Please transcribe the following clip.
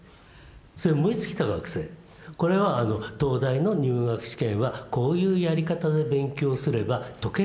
それ燃え尽きた学生これは東大の入学試験はこういうやり方で勉強すれば解けるよって点が取れるよ。